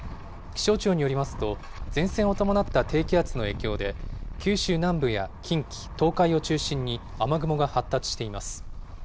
気象庁によりますと、前線を伴った低気圧の影響で、九州南部や近畿、東海を中心に雨雲が発達しています。